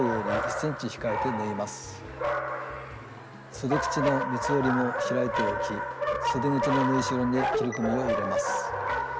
そで口の三つ折りも開いておきそで口の縫いしろに切り込みを入れます。